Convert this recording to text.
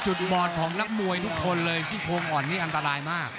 บอดของนักมวยทุกคนเลยซี่โครงอ่อนนี่อันตรายมาก